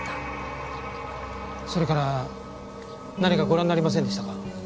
それから何かご覧になりませんでしたか？